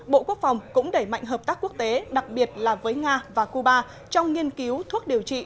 bộ quốc phòng cũng đẩy mạnh hợp tác quốc tế đặc biệt là với nga và cuba trong nghiên cứu thuốc điều trị